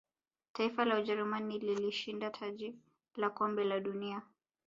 taifa la ujerumani lilishinda taji la kombe la dunia